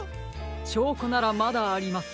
しょうこならまだあります。